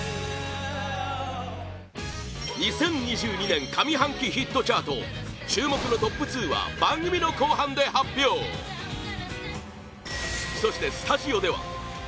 ２０２２年上半期ヒットチャート注目のトップ２は番組の後半で発表そしてスタジオではＨｅｙ！